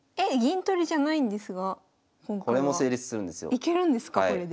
いけるんですかこれで。